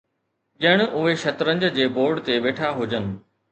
ڄڻ اهي شطرنج جي بورڊ تي ويٺا هجن.